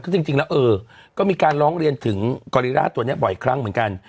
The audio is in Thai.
ซึ่งจริงแล้วก็มีการร้องเรียนถึงกอริล่าตัวนี้บ่อยครั้งเหมือนกัน